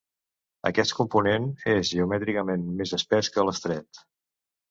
Aquest component és geomètricament més espès que l'estret.